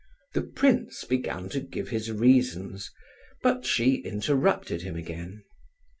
The prince began to give his reasons, but she interrupted him again.